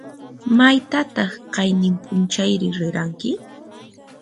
Maytataq qayninp'unchayri riranki?